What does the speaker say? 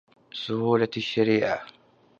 سهولة الشريعه